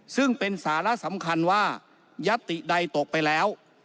ซึ่งเป็นสาระสำคัญว่ายัตติใดตกไปแล้ว